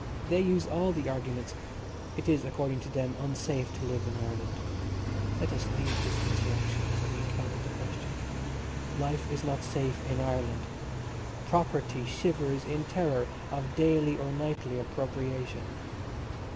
They use all the arguments. It is, according to them, unsafe to live in Ireland. (Let us leave this insurrection of a week out of the question.) Life is not safe in Ireland. Property shivers in terror of daily or nightly appropriation.